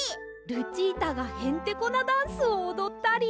ルチータがへんてこなダンスをおどったり！